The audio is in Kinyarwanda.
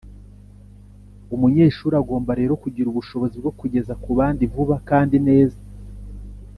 Umunyeshuri agomba rero kugira ubushobozi bwo kugeza ku bandi vuba kandi neza